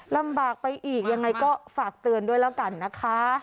ลำบากไปอีกยังไงก็ฝากเตือนด้วยแล้วกันนะคะ